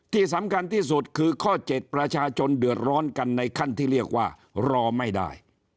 ที่สำคัญที่สุดคือข้อ๗ประชาชนเดือดร้อนกันในขั้นที่เรียกว่ารอไม่ได้